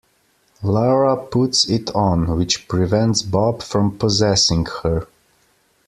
Laura puts it on, which prevents Bob from possessing her.